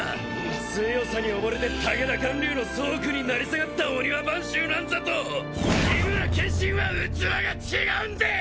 強さに溺れて武田観柳の走狗に成り下がった御庭番衆なんざと緋村剣心は器が違うんでえ！！